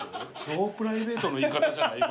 超プライベートの言い方じゃない？